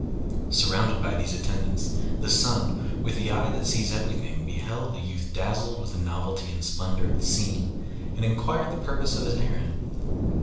Surrounded by these attendants, the Sun, with the eye that sees everything, beheld the youth dazzled with the novelty and splendor of the scene, and inquired the purpose of his errand.